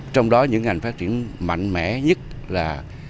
trong đó những ngành phát triển mạnh mẽ nhất là